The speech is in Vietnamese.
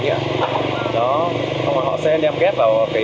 người ta bị phổ biến trên đất nước